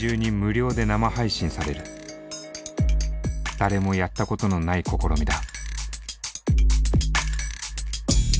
誰もやったことのない試みだ。